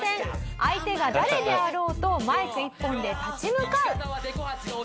相手が誰であろうとマイク１本で立ち向かう。